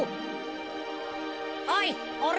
おいおれ